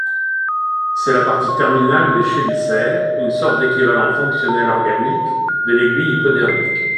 C'est la partie terminale des chélicères, une sorte d'équivalent fonctionnel organique de l'aiguille hypodermique.